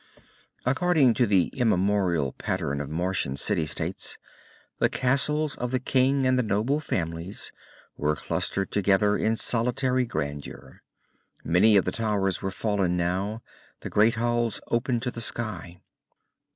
According to the immemorial pattern of Martian city states, the castles of the king and the noble families were clustered together in solitary grandeur. Many of the towers were fallen now, the great halls open to the sky.